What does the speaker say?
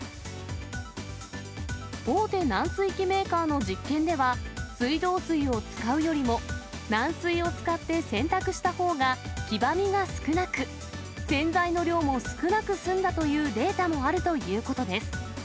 大手軟水機メーカーの実験では、水道水を使うよりも、軟水を使って洗濯したほうが黄ばみが少なく、洗剤の量も少なく済んだというデータもあるということです。